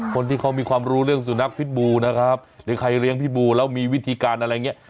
คนที่เขามีความรู้เรื่องสุนัขผิดบูนะครับในใครเรียงผิดบูแล้ววิธีการอะไรเนี่ย